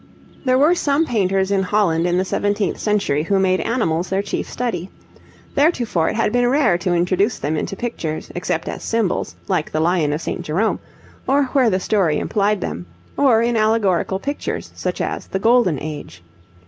There were some painters in Holland in the seventeenth century who made animals their chief study. Theretofore it had been rare to introduce them into pictures, except as symbols, like the lion of St. Jerome, or where the story implied them; or in allegorical pictures, such as the 'Golden Age.'